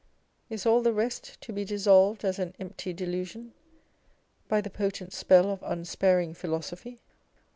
Is all the rest to be dissolved as an empty delusion, by the potent spell of unsparing philosophy